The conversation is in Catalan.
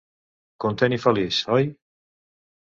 Content i feliç, oi?